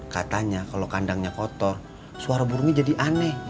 katanya kalau kandangnya kotor suara burungnya jadi aneh